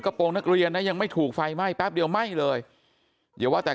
โปรงนักเรียนนะยังไม่ถูกไฟไหม้แป๊บเดียวไหม้เลยอย่าว่าแต่